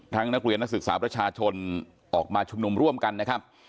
นักเรียนนักศึกษาประชาชนออกมาชุมนุมร่วมกันนะครับ